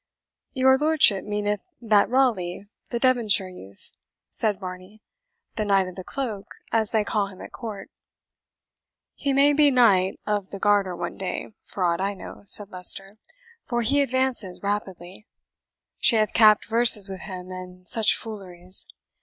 "Your lordship meaneth that Raleigh, the Devonshire youth," said Varney "the Knight of the Cloak, as they call him at court?" "He may be Knight of the Garter one day, for aught I know," said Leicester, "for he advances rapidly she hath capped verses with him, and such fooleries.